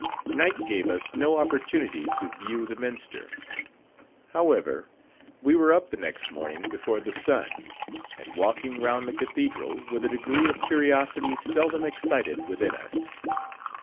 Night gave us no opportunity to view the Minster. However, we were up the next morning before the sun, and walking round the Cathedral with a degree of curiosity seldom excited within us.